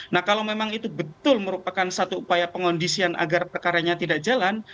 nah kalau memang itu betul merupakan satu upaya pengondisian agar perkaranya tidak jalan